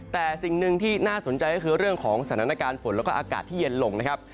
แต่สิ่งหนึ่งที่น่าสนใจก็คือเรื่องของสถานการณ์ฝนแล้วก็อากาศที่เย็นลงนะครับ